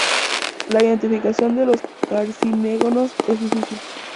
La identificación de los carcinógenos es difícil.